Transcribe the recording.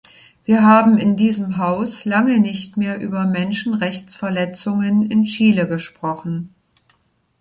Wir haben in diesem Haus lange nicht mehr über Menschenrechtsverletzungen in Chile gesprochen.